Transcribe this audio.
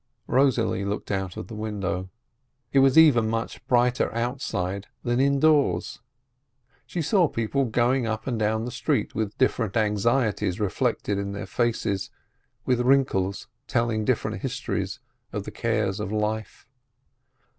Rosalie looked out of the window. It was even much brighter outside than indoors. She saw people going up and down the street with different anxieties reflected in their faces, with wrinkles telling different histories of the cares of life.